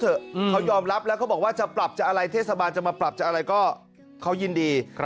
เขายอมรับแล้วบอกว่าเทศบาลจะปรับจากอะไรก็เขายินดี